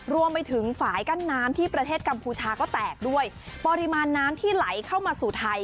รวมไปถึงฝ่ายกั้นน้ำที่ประเทศกัมพูชาก็แตกด้วยปริมาณน้ำที่ไหลเข้ามาสู่ไทย